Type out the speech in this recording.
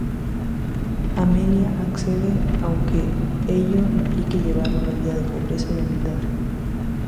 Amelia accede, aunque ello implique llevar una vida de pobreza y humildad.